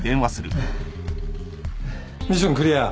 ミッションクリア。